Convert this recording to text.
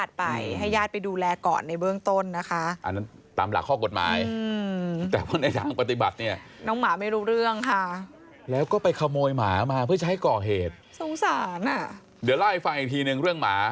เดี๋ยวเล่าให้ฟังอีกทีนึงเรื่องหมา